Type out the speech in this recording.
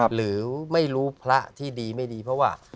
หรือไม่รู้พระที่ดีไม่ดีเพราะว่า